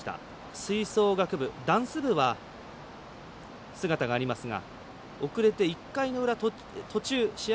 吹奏楽部ダンス部は姿がありますが遅れて１回の裏試合